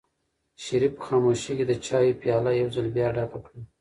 شریف په خاموشۍ کې د چایو پیاله یو ځل بیا ډکه کړه.